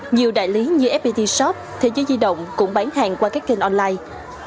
nhiều đại lý như fpt shop thế giới di động cũng bán hàng qua các kênh online